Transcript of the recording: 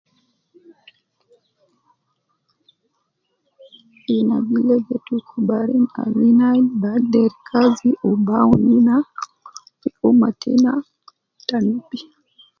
Ina gi legetu kubarin ab ina ayin bi agder kazi wu bi awun ina fi umma tena ta nubi